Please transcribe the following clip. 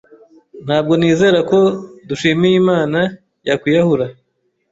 Ntabwo nizera ko Dushyimiyimana yakwiyahura.